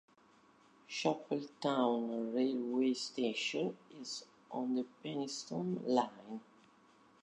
Chapeltown railway station is on the Penistone Line.